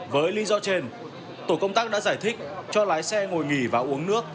với lý do trên tổ công tác đã giải thích cho lái xe ngồi nghỉ và uống nước